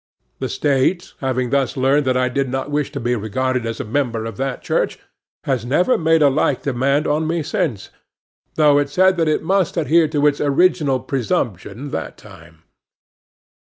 The State, having thus learned that I did not wish to be regarded as a member of that church, has never made a like demand on me since; though it said that it must adhere to its original presumption that time.